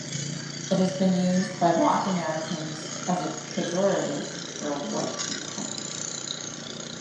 It has been used by black Americans as a pejorative for white people.